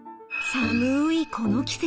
寒いこの季節。